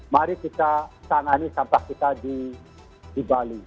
mari kita tangani sampah kita di bali